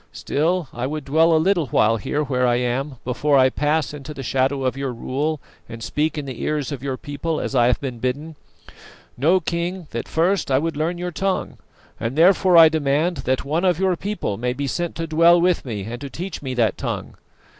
Still, I would dwell a little while here where I am before I pass into the shadow of your rule and speak in the ears of your people as I have been bidden. Know, King, that first I would learn your tongue, and therefore I demand that one of your people may be sent to dwell with me and to teach me that tongue.